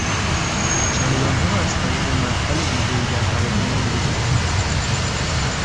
چمدانها را از طریق مدخل ویژهای در هواپیما میگذارند.